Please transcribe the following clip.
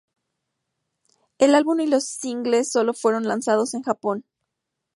El album y los singles sólo fueron lanzados en Japón.